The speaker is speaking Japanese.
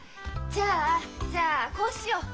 じゃあじゃあこうしよう。